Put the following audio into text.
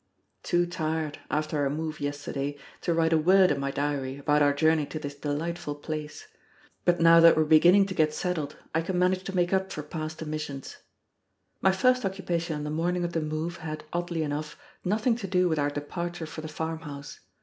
_ Too tired, after our move yesterday, to write a word in my diary about our journey to this delightful place. But now that we are beginning to get settled, I can manage to make up for past omissions. My first occupation on the morning of the move had, oddly enough, nothing to do with our departure for the farmhouse.